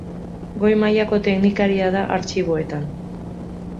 Goi Mailako Teknikaria da Artxiboetan.